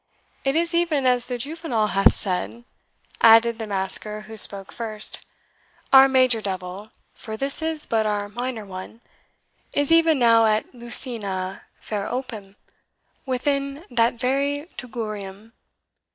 "It is even as the juvenal hath said," added the masker who spoke first; "Our major devil for this is but our minor one is even now at LUCINA, FER OPEM, within that very TUGURIUM."